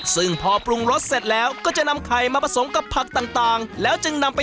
ซึ่งพอปรุงรสเสร็จแล้ว